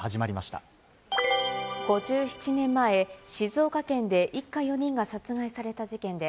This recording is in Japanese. ５７年前、静岡県で一家４人が殺害された事件で、